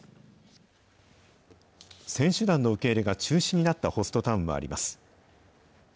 選手団の受け入れが中止になったホストタウンもあります。